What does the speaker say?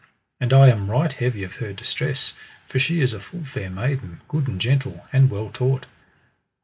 And I am right heavy of her distress, for she is a full fair maiden, good and gentle, and well taught.